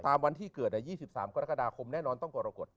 วันที่เกิด๒๓กรกฎาคมแน่นอนต้องกรกฎ